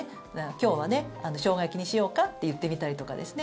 今日はショウガ焼きにしようかって言ってみたりとかですね